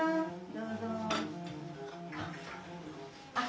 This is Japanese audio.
どうぞ。